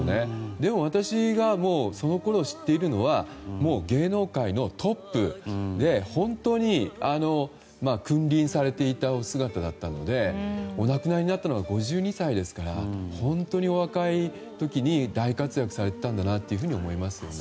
でも私がそのころ知っているのは芸能界のトップに君臨されていたお姿だったのでお亡くなりになったのが５２歳ですから本当にお若い時に大活躍されていたんだなと思います。